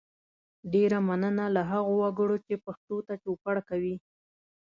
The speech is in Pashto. ډیره مننه له هغو وګړو چې پښتو ته چوپړ کوي